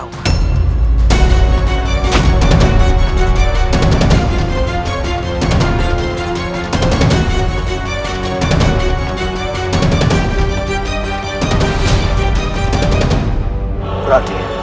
aku tidak mau kalah dengan mereka